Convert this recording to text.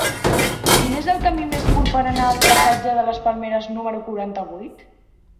Quin és el camí més curt per anar al passatge de les Palmeres número quaranta-vuit?